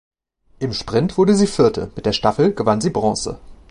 Im Sprint wurde sie Vierte, mit der Staffel gewann sie Bronze.